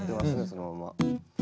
そのまま。